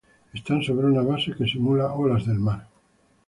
Están sobre una base que simula olas del mar.